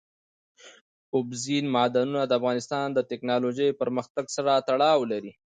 اوبزین معدنونه د افغانستان د تکنالوژۍ پرمختګ سره تړاو لري.